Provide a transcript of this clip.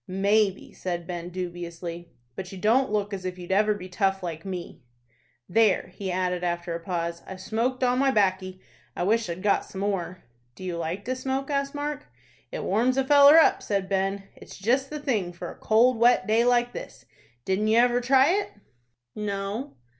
"Maybe," said Ben, dubiously; "but you don't look as if you'd ever be tough like me." "There," he added, after a pause, "I've smoked all my 'baccy. I wish I'd got some more." "Do you like to smoke?" asked Mark. "It warms a feller up," said Ben. "It's jest the thing for a cold, wet day like this. Didn't you ever try it?" "No."